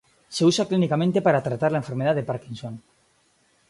Se usa clínicamente para tratar la enfermedad de Parkinson.